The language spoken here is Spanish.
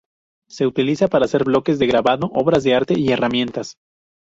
Se utiliza para hacer bloques de grabado, obras de arte, y herramientas.